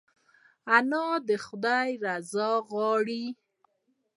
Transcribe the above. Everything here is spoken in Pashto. انا د خدای رضا غواړي